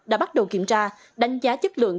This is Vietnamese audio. đã bắt đầu kiểm tra đánh giá chất lượng